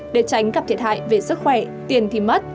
để tránh gặp thiệt hại về sức khỏe tiền thì mất